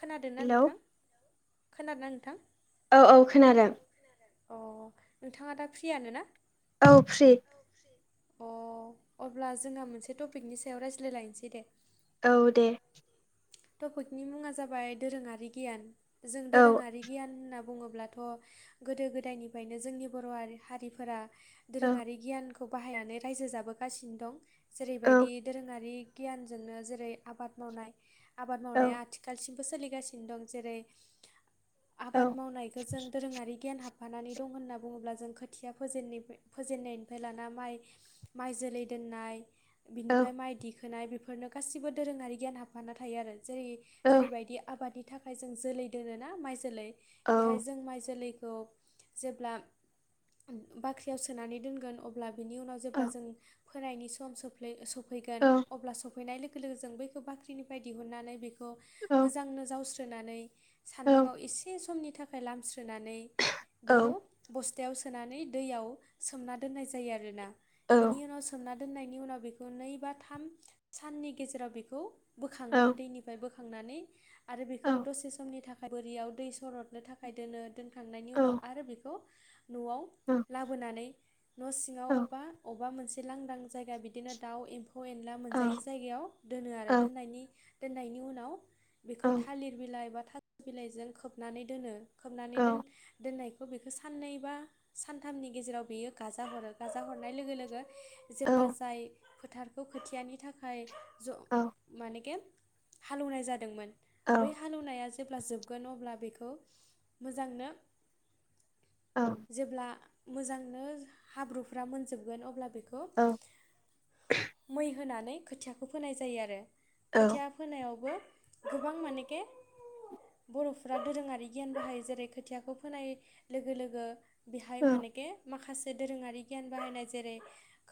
खोनादो ना हेलौ नोंथां खोनादोंना नोंथां औ औ खोनादों अ नोंथाङा दा फ्रियानोना औ फ्रि अ अब्ला जोंआ मोनसे टपिकनि सायाव रायज्लाय लायनोसै दे औ दे टपिकनि मुङा जाबाय दोरोङारि गियान जों औ दोरोङारि गियान होनना बुङो ब्लाथ गोदो गोदायनिफ्रायनो जोंनि बर' आरि हारिफोरा औ दोरोङारि गियानखौ खौ बाहायनानै रायजो जाबोगासिनो दं औ जेरैबायदि दोरोङारि गियानजोंनो जेरै आबाद मावनाय आबाद औ मावनाया आथिखालसिम सोलिगासिनो दं जेरै औ आबाद मावनायखो जों दोरोङारि गियान हाब फानानै दं होनना बुङोब्ला जों खोथिया फोजेननिफाय फोजेननायनिफाय लाना माइ माइ जोलै दो नाय औ बिनिफ्राय माइ दिखोनाय बिफोरनो गासिबो दोरोङारि गियान हाबफाना थायो आरो जेरै औ जेरैबायदि आबादनि थाखाय जों जोलै दोनोना माइ जोलै औ बेहाय जों माइ जोलै खौ जेब्ला बाख्रि सोनानै दोनगोन अब्ला बेनि उनाव औ जेब्ला जों फोनायनि सम सोफ्लै सफैगोन औ अब्ला सफैनाय लोगो लोगो जों बखौ बाख्रिनिफ्राय दिहुननानै बेखौ औ मोजांनो जावस्रोनानै औ सान्दुंङाव एसे समनि थाखाय लामस्रोनानै औ बेखौ औ औ बस टायाव सोनानै दैयाव सोमना दोननाय जायो आरोना औ बिनि औ उनाव सोमना दोनायनि उनाव बेखौ नै बा थाम साननि गेजेराव बेखौ औ बोखाङो औ दैनिफ्राय बो खांनानै आरो बेखौ औ औ दसे समनि थाखाय बोरियाव दै सरदनो थाखाय दोनो दोनखांनायनि उनाव आरो बेखौ नआव लाबोनानै न सिङाव बा अबबा मोनसे ए लांदां जायगा बिदिनो दाउ एम्फौ एनला मोनजायै जायगायाव दोनो आरो नि दोननायनि उनाव औ बेखौ थालिर बिलाइ बा था बिलाइजों खोबनानै दोनो खोबनानै दोन-दोननाय बेखौ साननै बा सानथामनि गेजेराव बेयो गाजा हरो गाजा हरनाय लोगो लोगो जेब्ला जाय फोथारखौ खोथियानि थाखाय ज औ मानेगेम हालेवनाय जादोंमोन बै हालेवनाया ज जेब्ला जोबगोन अब्ला बेखौ मोजांनो जेब्ला मोजांनो हाब्रुफ्रा मोनजोबगोन अब्ला बे खौ मै होनानै खोथियाखौ फोनाय जायो आरो खोथिया फोनायावबो गोबां मानेके बर'फोरा दोरोङारि गियान बाहायो जेरै खोथियाखौ फोनाय लोगो लोगो बेहाय मानेके माखासे दोरोङारि गियान बाहायनाय जेरै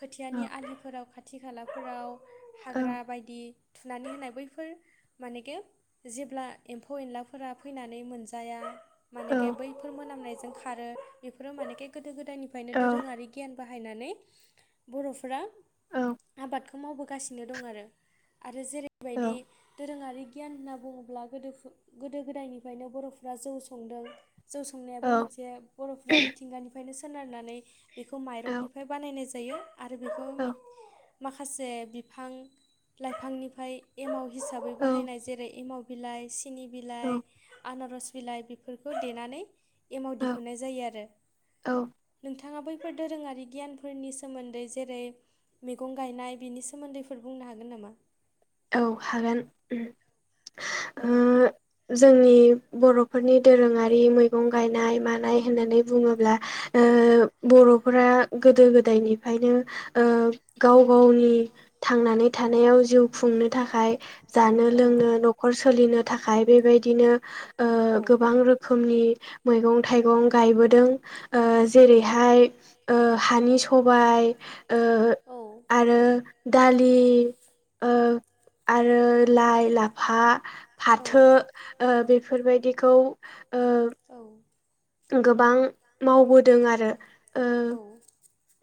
खोथियानि आलिफोराव खा थि खालाफोराव हाग्रा दि थुनानै होननाय बैफोर मानेके जेब्ला एमफौ एनलाफोरा फैनानै मोन जा आया मानेगे बैफोर मोनामनायजों खारो बेफोरो मानेके गोदो गोदायनिफ्रायनो दोरोङारि गियान बाहायनानै बर'फोरा आबादखौ मावबोगासिनो दं आरो आरो जेरैबायदि दोरोङारि गियान होनना बुङोब्ला गोदोफु गोदो गोदायनिफ्रायनो बर'फ्रा जौ संदों जौ संनायाबो मोनसे बर'फ्रा मिथिंगानिफ्रायनो सोनारनानै बेखौ माइरंनिफ्राय बानायनाय जा दायो आरो बेखौ मि माखासे बिफां लाइफांनिफ्राय एमाव हिसाबै बाहायनाय जेरै एमाव बिलाइ सिनि बिलाइ आनारस बिलाय बिफोरखौ देना नै एमाव दिहुननाय जायो आरो नोंथा थाङा बैफोर दोरोङारि गियानफोरनि सोमोन्दै जेरै मैगं गायनाय बिनि सोमोन्दैफोर बुंनो हागोन नामा औ हागोन। ओ औ जोंनि बर'फोरनि दोरोङारि मैगं गायनाय मानाय होननानै बुङोब्ला ओ औ बर'फोरा गोदो गोदाय गोदायनिफ्रायनो गाव गावनि थांनानै थानायाव जिउ खुंनो थाखाय जानो औ लोंनो न'खर सोलिनो थाखाय बेबायदिनो ओ औ गोबां रोखोमनि मैगं थाइगं गायबोदों ओ जेरैहाय ओ औ हानि सबाय ओ औ आरो दालि ओ आरो लाइ लाफा औ फाथो बे बेफोरबायदिखौ ओ गोबां मावबोदों आरो ओ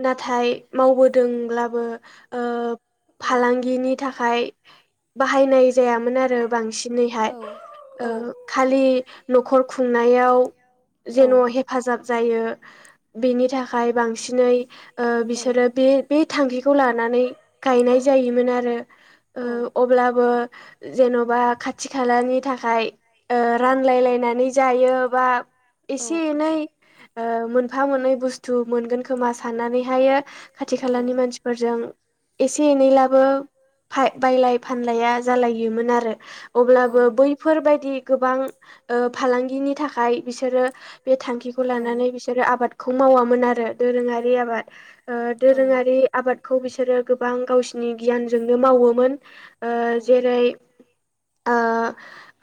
नाथाय मावबोदोंब्लाबो ओ औ फालांगिनि थाखाय बाहायनाय जायामोन आरो बांसिनैहाय खालि न'खर खुंनायाव औ जेन हेफाजाब जायो बेनि थाखाय बांसिनै बिसोरो बे बे थांखिखौ लानानै गायनाय जायोमोन आरो। ओ औ अब्लाबो जेनबा खाथि खालानि थाखाय औ रानलायलायनानै जायो। बा एसे एनै मोनफा मोननै बुस्थु मोनगोन खोमा नानैहायो खाथि खालानि मानसिफोरजों एसे एनैब्लाबो बायलाय फानलाया जालायोमोन आरो अब्लाबो बैफोरबायदि गोबां ओ फालांग नि थाखाय बिसोरो बे थांखिखौ लानानै बिसोरो आबादखौ मावामोन आरो दोरोङारि आबाद औ दोरोङारि आबादखौ बिसोरो गोबां गावसिनि गियानजोंनो मावोमोन ओ औ औ जेरै ओ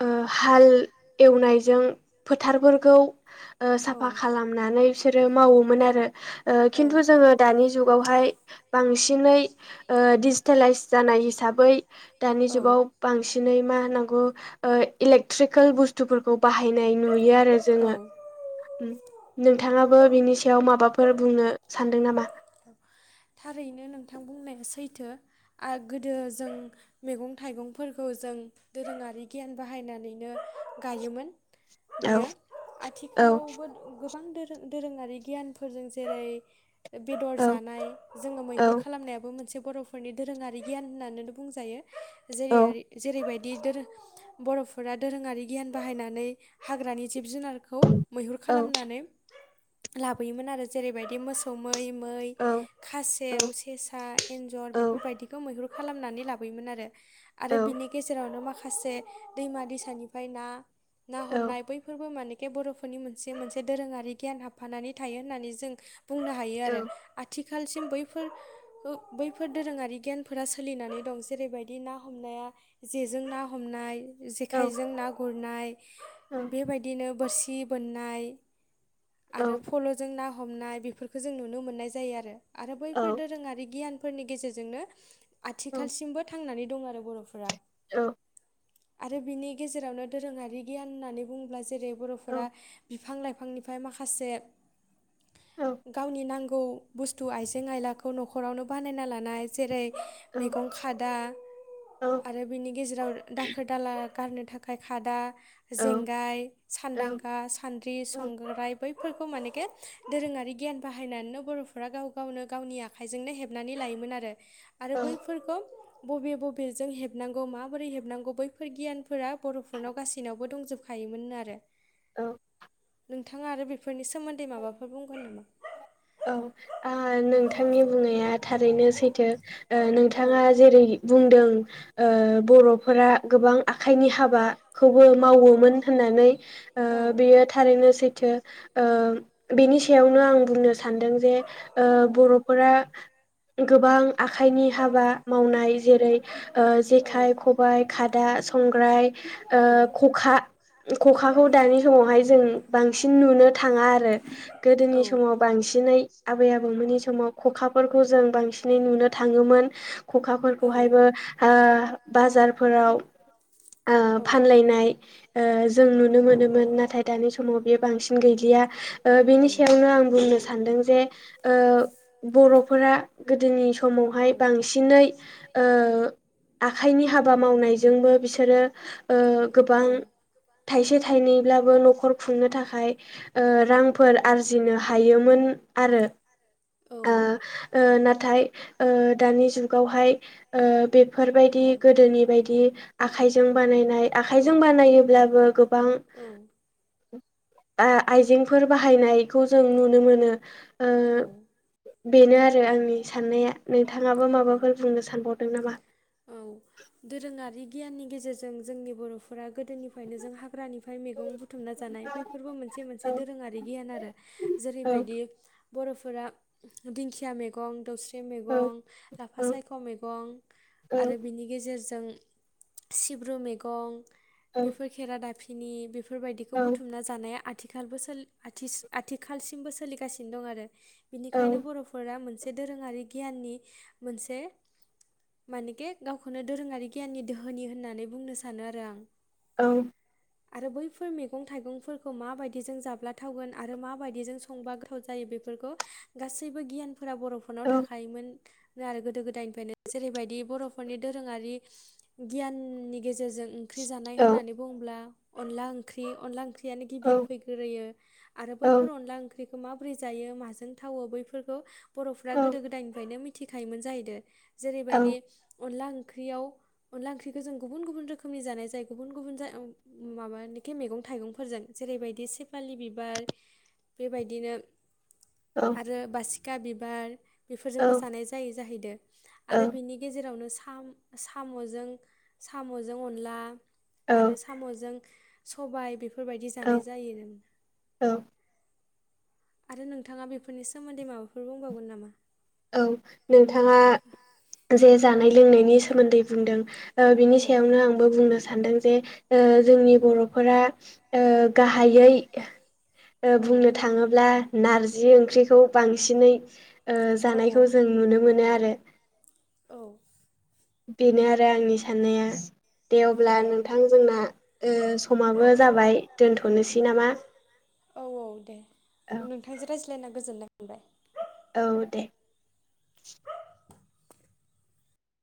ओ हाल एवनायजों फोथारफोरखौ ओ औ साफा खालामनानै बिसोरो मावोमोन आरो। ओ औ खिन्थु जोङो दानि जुगावहाय बांसिनै डिजिटेलाइस जानाय हिसाबै बै दानि जुगाव बांसिनै मा होनांगौ ओ इलेकट्रिकेल बुस्थुफोरखौ बाहायनाय नुयो आरो जोङो औ नोंथाङा बो बिनि सायाव माबाफोर बुंनो सानदों नामा। औ थारैनो नोंथां बुंनाया सैथो आरो गोदो जों मैगं थाइगंफोरखौ जों दोरोङारि गियान बाहायनानैनो गायोमोन। औ बियो औ आथिखालावबो गोबां दोरों दोरोङारि गियानफोरजों जेरै बेदर औ जानाय। जोङो औ मैहुर खालामनायाबो मोनसे बर'फोरनि दोरोङारि गियान होननानैनो बुंजायो। औ जेरै जेरैबायदि बिदि दोरोद बर'फोरा दोरोङारि गियान बाहायनानै हाग्रानि जिब जुनारखौ मैहुर औ खालामनानै लाबोयोमोन आरो जेरैबायदि मोसौ मै मै औ खासेव सेसा एन्जर औ बेफोरबायदिखौ मैहुर खालामनानै लाबोयोमोन आरो। आरो औ बिनि गेजेरावनो माखासे दैमा दैसानिफ्राय ना ना औ औ हमनाय बैफोरबो माने बर'फोरनि मोनसे मोनसे दोरोङारि गियान हाबफानानै थायो होननानै जों बुंनो हायो आरो आथिख आथिखालसिम बैफोर बैफोर दोरोङारि गियानफोरा सोलिनानै दं जेरैबायदि ना हमनाया। जेजों ना हमनाय जेखाइजों ना गुरनाय बेबायदिनो बोरसि बोननाय। आरो फलजों ना हमनाय बेफोरखो जों नुनो मोननाय जायो आरो। आरो बैफोर दोरोङारि गियानफोरनि गेजेरजोंनो आथिखालसिमबो थांनानै दं आरो बर'फोरा औ। आरो बिनि गेजेरावनो दोरोङारि गियान होननानै बुङोब्ला जेरै बर'फोरा बिफां लाइ फांनिफ्राय माखासे गावनि नांगौ बु थु आइजें आयलाखौ न'खरावनो बानायना लानाय जेरै मैगं खादा आरो बिनि गेजेराव दाखोर दाला गारनो थाखाय खादा जेंगाय, सानदांगा, सान्द्रि, औ संग्राय बैफोरखौ माने के दोरोङारि गियान बाहायनानैनो बर' फ्रा गाव गावनो गावनि आखाइजोंनो हेबनानै लायोमोन आरो आरो औ बैफोरखौ बबे बबेजों हेबनांगौ माबोरै हेबनांगौ बैफोर गियानफोरा बर'फोरनाव गासैनावबो दंजोबखायो मोननो आरो। औ। नोंथाङा आरो बेफोरनि सोमोन्दै माबाफोर बुंगोन नामा? औ नोंथांनि ओ बुंनाया थारैनो सैथो। ओ औ नोंथाङा जेरै बुंदों ओ बर'फोरा गोबां आखाइनि हाबाखौबो मावोमोन होननानै ओ औ बेयो थारैनो सैथो ओ बेनि सायावनो आं बुंनो सानदों जे औ बर'फोरा गोबां आखाइनि हाबा मावनाय जेरै ओ जेखाइ खबाइ खा दा संग्राय ओ औ खखा खखाखौ दानि समावहाय जों बां सिन नुनो थाङा आरो औ गोदोनि समाव बांसिनै आबै आबौमोननि स माव खखाफोरखौ जों बांसिनै नुनो थाङोमोन औ खखाफोरखौहायबो बाजारफोराव ओ फानलायनाय ओ‌ जों नुनो मोनोमोन नाथाय दानि समाव बेयो बांसिन गैया ओ बेनि सायावनो आं बुंनो सानदों जे ओ बर'फोरा गोदोनि समावहाय बांसिनै ओ आखाइनि हाबा मावनायजोंबो बिसोरो ओ गोबां ओ थाइसे थाइनैब्लाबो न'खर खुंनो थाखाय रांफोर आरजिनो हायो। मोन आरो औ ओ नाथाय ओ दानि जुगावहाय ओ बे बेफोरबायदि गोदोनि बायदि आखाइजों बानायनाय आखाइजों बानायोब्लाबो गोबां औ। उ [inaudible] आइजेंफोर बाहायनायखौ जों नुनो मोनो। ओ औ बेनो आरो आंनि साननाया नोंथाङाबो औ माबाफोर बुंनो सानबावदों नामा? औ दोरोङारि गियाननि गेजेरजों जोंनि बर'फोरा गोदोनिफ्रायनो जों हा ग्रानिफ्राय मैगं बुथुमना जानाय औ बैफोरबो मोनसे मोनसे दोरोङारि गियान आरो औ जेरैबायदि बर'फोरा दिंखिया मैगं दाउस्रि औ मैगं लाफा औ सायख' मैगं औ आरो बिनि गेजेरजों सिब्रु मैगं औ बेफोर खेरा दाफिनि बेफोरबायदिखौ औ बुथुमना जानाया आथिखालबो आथिखालसिमबो सोलिगासिनो दं आरो। औ बिनिखायनो बर'फोरा मोनसे दोरोङारि गियाननि मोनसे मानेके गावखौनो दोरोङारि गियाननि दोहोनि होननानै बुंनो सानो आरो आं। औ। आरो बैफोर मैगं थाइगंफोरखौ माबायदिजों जाब्लाथावगोन आरो माबायदिजों संबा गोथाव जायो बे बे गासैबो गियानफोरा बर'फोरनाव औ थाखोमोन आरो गोदो गोदायनिनो जेरैबाय दि बर'फोरनि दोरोङारि गियाननि गेजेरजों ओंख्रि जानाय होननानै बुङोब्ला अनला ओंख्रि अनला ओंख्रियानो गिबियाव फैग्रोयो आरो बैफोर अनला ओंख्रि माब्रै जायो माजों थावो बैफोरखौ बर'फोरा गोदो गोदायनिफ्राय मि थिखायोमोन जाहैदों जेरैबायदि अनला ओंख्रियाव अनला ओंख्रिखो जों गुबुन गुबुन रोखोमनि जानाय जायो गुबुन गुबुन जा उम माबा [inaudible] खि मैगं थाइगंफोरजों जेरैबायदि सेपालि बिबार बेबायदिनो आरो बासिखा बिबार बेफोरजोंबो जानाय जायोै जाहैदो आरो बिनि जेरावनो साम साम'जों अनला आरो साम'जों सबाय बेफोरबायदि औ जानाय औ जायो औ आरो नोंथाङा बेफोरनि सोमोन्दै माबाफोर बुंबावगोन नामा? औ नोंथाङा जे जानाय लोंनायनि सोमोन्दै बुंदों ओ औ बिनि सायावनो आंबो बुंनो सानदों जे ओ जोंनि बर'फोरा ओ गाहायै ओ औ बुंनो थाङोब्ला नारजि ओंख्रिखौ बांसिनै ओ औ जानायखौ जों नुनो मोनो आरो औ बेनो आरो आंनि साननाया दे अब्ला औ नोंथां जोंना ओ समाबो जाबाय दोनथ'नोसै नामा? औ औ दे औ नोंथांजों रायज्लायना गोजोननाय मोनबाय औ दे